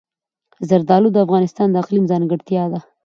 زردالو د افغانستان د اقلیم ځانګړتیا ده.